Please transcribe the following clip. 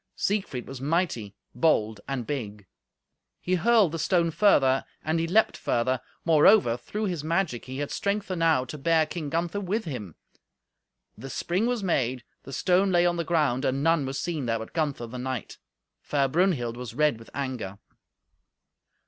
Siegfried was mighty, bold and big. He hurled the stone further, and he leaped further; moreover, through his magic, he had strength enow to bear King Gunther with him. The spring was made, the stone lay on the ground, and none was seen there but Gunther, the knight. Fair Brunhild was red with anger.